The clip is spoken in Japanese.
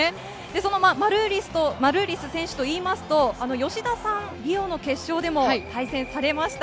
そのマルーリス選手といいますと、吉田さん、リオの決勝でも対戦されました。